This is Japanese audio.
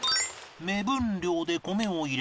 目分量で米を入れ